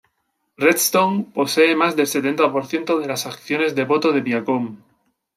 Redstone posee más del setenta por ciento de las acciones de voto de Viacom.